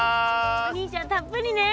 お兄ちゃんたっぷりね。